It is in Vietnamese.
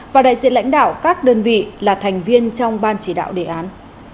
và đại diện lãnh đạo các đơn vị là thành viên trong ban chỉ đạo đề án